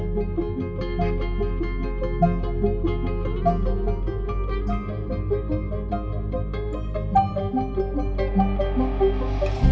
โดยไม่ได้ตัดสินใครเลย